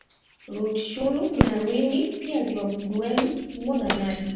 Rutshuru na Rwindi Pia ziwa Dweru humwaga maji